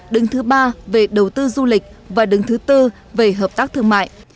đứng thứ ba về đầu tư du lịch và đứng thứ tư về hợp tác thương mại